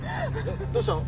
どうしたの？